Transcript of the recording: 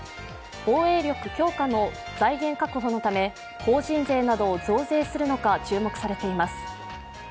防衛力強化の財源確保のため法人税などを増税するのか注目されています。